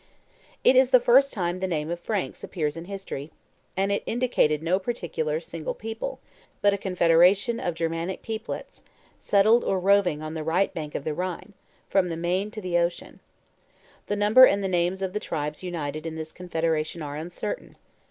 It is the first time the name of Franks appears in history; and it indicated no particular, single people, but a confederation of Germanic peoplets, settled or roving on the right bank of the Rhine, from the Mayn to the ocean. The number and the names of the tribes united in this confederation are uncertain.